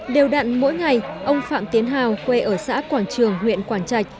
đều đặn mỗi ngày ông phạm tiến hào quê ở xã quảng trường huyện quảng trạch